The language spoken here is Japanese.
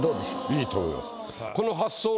良いと思います。